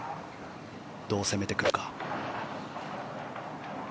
どう攻めてくるか。